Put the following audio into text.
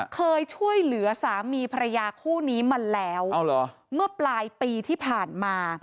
เคยช่วยเหลือสามีภรรยาคู่นี้มาแล้วเมื่อปลายปีที่ผ่านมา